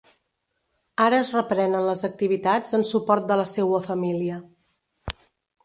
Ara es reprenen les activitats en suport de la seua família.